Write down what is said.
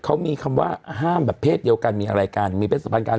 เขามีคำว่าห้ามแบบเพศเดียวกันมีอะไรกันมีเพศสัมพันธ์กัน